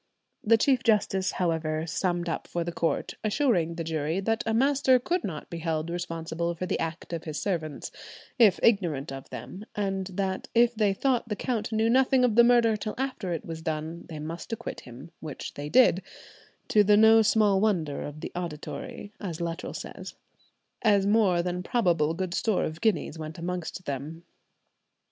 The Chief Justice, however, summed up for the count, assuring the jury that a master could not be held responsible for the acts of his servants, if ignorant of them, and that if they thought the count knew nothing of the murder till after it was done, they must acquit him, which they did, "to the no small wonder of the auditory," as Luttrell says, "as more than probable good store of guineas went amongst them."